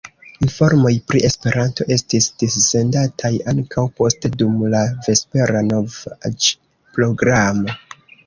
Informoj pri Esperanto estis dissendataj ankaŭ poste dum la vespera novaĵ-programo.